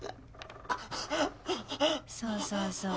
そうそうそう。